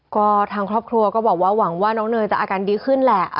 ก็ทางครอบครัวก็บอกว่าหวังว่าน้องเนยจะอาการดีขึ้นแหละ